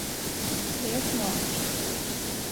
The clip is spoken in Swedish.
Det är smart.